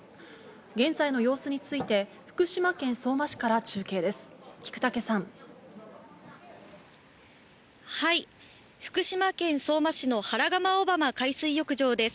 現在の様子について福島県相馬市から中継です。